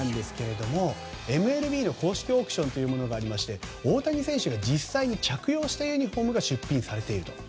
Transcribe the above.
ＭＬＢの公式オークションがありまして大谷選手が実際に着用したユニホームが出品されていると。